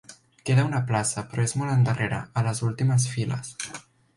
Queda una plaça, però és molt endarrere, a les últimes files.